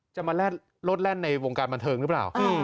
จะมาโลดแล่นในวงการบันเทิงหรือเปล่า